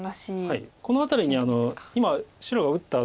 この辺りに今白が打った